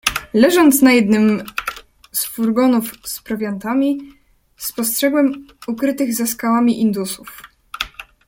"„Leżąc na jednym z furgonów z prowiantami, spostrzegłem ukrytych za skałami indusów."